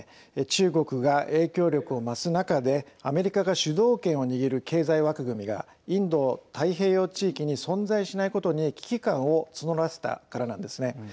中国が影響力を増す中でアメリカが主導権を握る経済枠組みがインド太平洋地域に存在しないことに危機感を募らせたからなんですね。